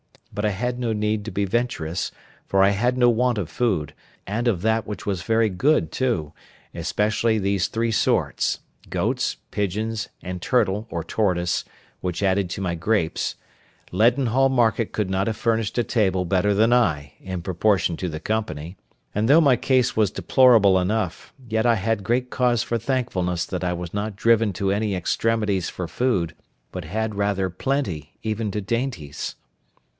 But I had no need to be venturous, for I had no want of food, and of that which was very good too, especially these three sorts, viz. goats, pigeons, and turtle, or tortoise, which added to my grapes, Leadenhall market could not have furnished a table better than I, in proportion to the company; and though my case was deplorable enough, yet I had great cause for thankfulness that I was not driven to any extremities for food, but had rather plenty, even to dainties.